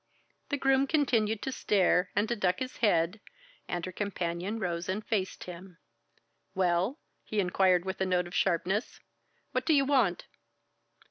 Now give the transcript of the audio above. The groom continued to stare and to duck his head, and her companion rose and faced him. "Well?" he inquired with a note of sharpness. "What do you want?"